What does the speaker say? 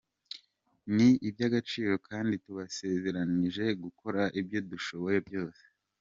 Ni iby’agaciro kandi tubasezeranyije gukora ibyo dushoboye byose.